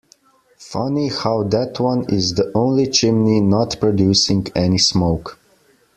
Funny how that one is the only chimney not producing any smoke.